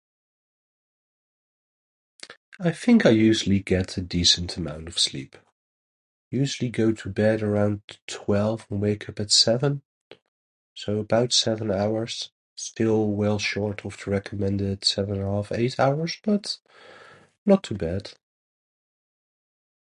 I think I usually get a decent amount of sleep. Usually go to bed around twelve and wake up at seven. So, about seven hours. Still well short of the recommended seven and a half eight hours, but not too bad.